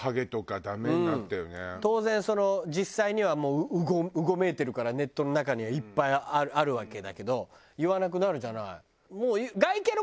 当然その実際にはもううごめいてるからネットの中にはいっぱいあるわけだけど言わなくなるじゃない。